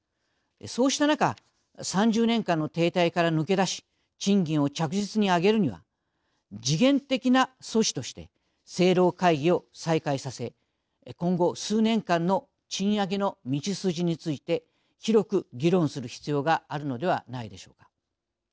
そうした中３０年間の停滞から抜け出し賃金を着実に上げるには時限的な措置として政労使会議を再開させ今後数年間の賃上げの道筋について広く議論する必要があるのではないでしょうか。